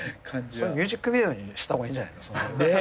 ミュージックビデオにした方がいいんじゃないの。